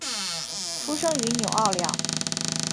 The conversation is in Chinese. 出生于纽奥良。